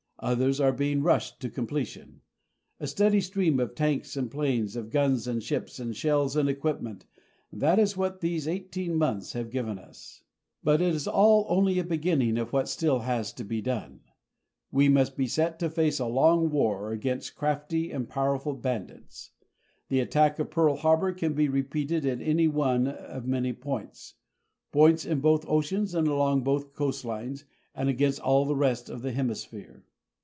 Others are being rushed to completion. A steady stream of tanks and planes, of guns and ships and shells and equipment that is what these eighteen months have given us. But it is all only a beginning of what still has to be done. We must be set to face a long war against crafty and powerful bandits. The attack at Pearl Harbor can be repeated at any one of many points, points in both oceans and along both our coast lines and against all the rest of the Hemisphere.